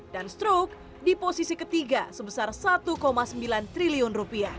dan struk di posisi ketiga sebesar rp satu sembilan triliun